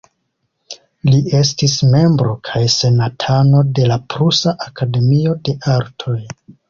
Li estis membro kaj senatano de la Prusa Akademio de Artoj.